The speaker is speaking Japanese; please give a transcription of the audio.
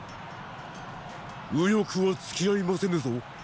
右翼はつき合いませぬぞ。